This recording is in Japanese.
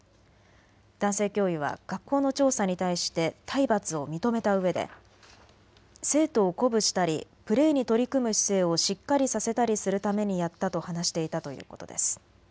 男性教諭は学校の調査に対して体罰を認めたうえで生徒を鼓舞したりプレーに取り組む姿勢をしっかりさせたりするためにやったと話していたということです。